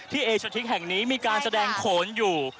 เอเชอร์ทิกแห่งนี้มีการแสดงโขนอยู่